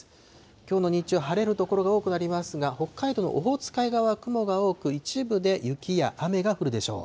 きょうの日中、晴れる所が多くなりますが、北海道のオホーツク海側、雲が多く、一部で雪や雨が降るでしょう。